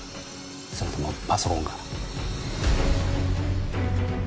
それともパソコンか？